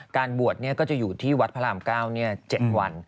การบวชก็จะอยู่ที่วัดพระราม๙๗วัน